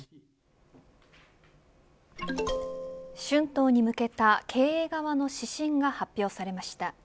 春闘に向けた経営側の指針が発表されました。